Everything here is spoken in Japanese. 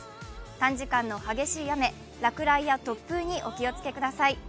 短時間の激しい雨、落雷や突風にお気をつけください。